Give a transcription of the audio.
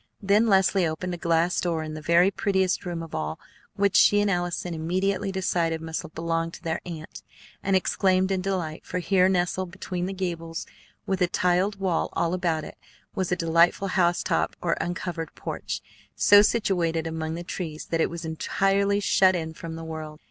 Then Leslie opened a glass door in the very prettiest room of all, which she and Allison immediately decided must belong to their aunt, and exclaimed in delight; for here nestled between the gables, with a tiled wall all about it, was a delightful housetop or uncovered porch, so situated among the trees that it was entirely shut in from the world.